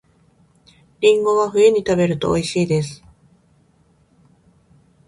りんごは冬に食べると美味しいです